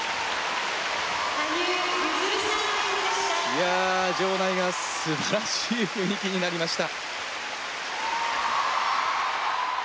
いや場内がすばらしい雰囲気になりました。